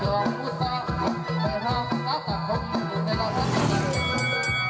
วันนี้มีสองใคร